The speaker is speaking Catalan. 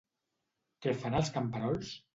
Què fan els camperols?